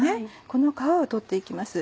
この皮を取って行きます。